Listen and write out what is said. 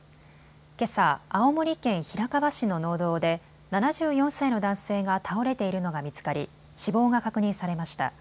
けさ、青森県平川市の農道で７４歳の男性が倒れているのが見つかり死亡が確認されました。